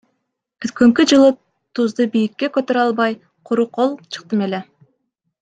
Өткөнкү жылы тузду бийикке көтөрө албай, куру кол чыктым эле.